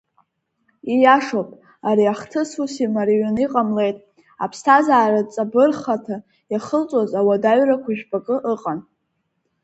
Ииашоуп, ари ахҭыс ус имарианы иҟамлеит, аԥсҭазааратә ҵабыргхаҭа иахылҵуаз ауадаҩрақәа жәпакы ыҟан.